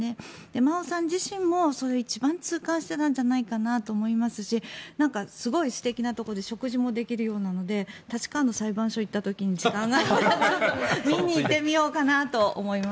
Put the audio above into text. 真央さん自身もそれを一番痛感していたのではと思いますしすごい素敵なところで食事もできるようなところで立川の裁判所に行った時にちょっと見に行ってみようかなと思いました。